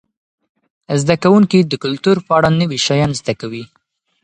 زده کوونکي د کلتور په اړه نوي شیان زده کوي.